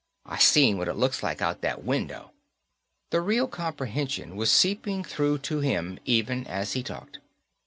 I seen what it looks like out that window " The real comprehension was seeping through to him even as he talked.